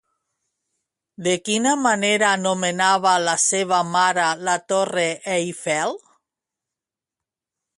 De quina manera anomenava la seva mare la Torre Eiffel?